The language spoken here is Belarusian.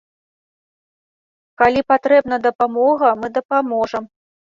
Калі патрэбна дапамога, мы дапаможам.